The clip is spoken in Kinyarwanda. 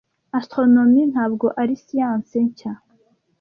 Astronomie ntabwo ari siyansi nshya.